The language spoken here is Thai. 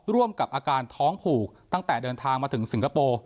ร่วมกับอาการท้องผูกตั้งแต่เดินทางมาถึงสิงคโปร์